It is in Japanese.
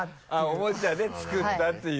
おもちゃで作ったっていう。